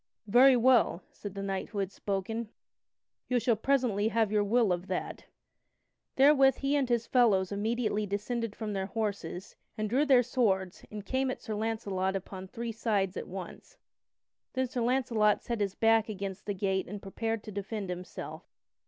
"Very well," said that knight who had spoken, "you shall presently have your will of that." Therewith he and his fellows immediately descended from their horses, and drew their swords and came at Sir Launcelot upon three sides at once. Then Sir Launcelot set his back against the gate and prepared to defend himself.